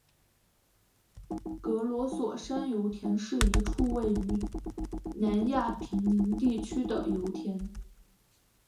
格罗索山油田是一处位于南亚平宁地区的油田。